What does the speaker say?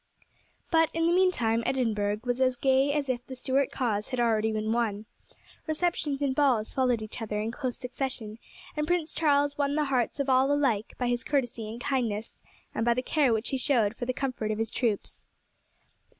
But in the meantime Edinburgh was as gay as if the Stuart cause had been already won. Receptions and balls followed each other in close succession, and Prince Charles won the hearts of all alike by his courtesy and kindness, and by the care which he showed for the comfort of his troops.